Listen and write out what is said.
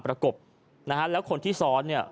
ประกบนะฮะแล้วคนที่ซ้อนเนี่ย